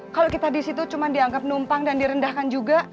kalau kita di situ cuma dianggap numpang dan direndahkan juga